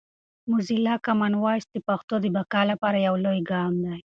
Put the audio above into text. موزیلا کامن وایس د پښتو د بقا لپاره یو لوی ګام دی.